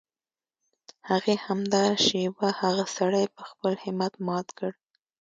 هغې همدا شېبه هغه سړی په خپل همت مات کړ.